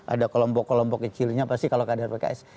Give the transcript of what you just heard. ada kelompok kelompok kecilnya pasti kalau kader pks